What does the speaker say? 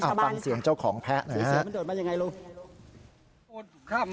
อ้าวฟังเสียงเจ้าของแพ้หน่อยฮะเสือเสือมันเดินไปยังไงลูก